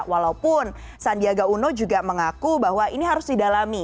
walaupun sandiaga uno juga mengaku bahwa ini harus didalami